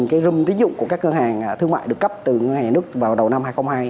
cái rung tín dụng của các ngân hàng thương mại được cấp từ ngân hàng nước vào đầu năm hai nghìn hai mươi hai